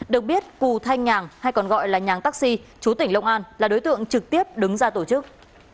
được biết cù thanh nhàng hay còn gọi là nhàng taxi chú tỉnh long an là đối tượng trực tiếp đứng ra tổ chức